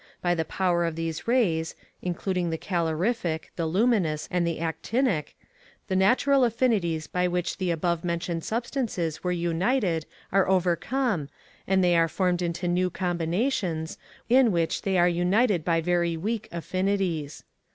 By the power of these rays including the calorific, the luminous, and the actinic the natural affinities by which the above mentioned substances were united are overcome, and they are formed into new combinations, in which they are united by very weak affinities.